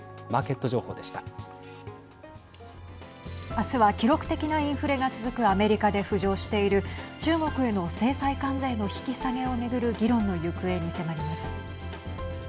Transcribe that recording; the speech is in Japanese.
あすは記録的なインフレが続くアメリカで浮上している中国への制裁関税の引き下げを巡る議論の行方に迫ります。